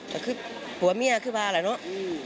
แต่คือหัวเมียคือบ้าเหรอเนอะ